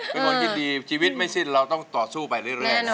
เป็นคนคิดดีชีวิตไม่สิ้นเราต้องต่อสู้ไปเรื่อย